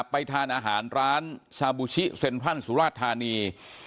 ไปทานอาหารร้านซาบูชิเซ็นทรัลสุราชธานี